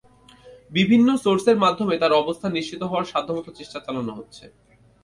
বিভিন্ন সোর্সের মাধ্যমে তার অবস্থান নিশ্চিত হওয়ার সাধ্যমতো চেষ্টা চালানো হচ্ছে।